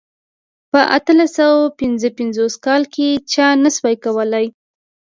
په اتلس سوه پنځه پنځوس کال کې چا نه شوای کولای.